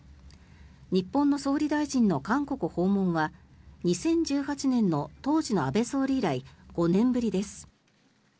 日本の総理大臣の韓国訪問は２０１８年の当時の安倍総理以来５年ぶりです。